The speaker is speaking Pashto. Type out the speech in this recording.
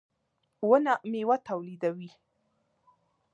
• ونه مېوه تولیدوي.